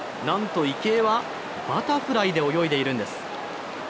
なんと、池江はバタフライで泳いでいるんです。